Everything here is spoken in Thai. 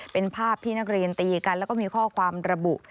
เป็นภาพที่นักเรียนตีกันแล้วก็มีข้อความระบุ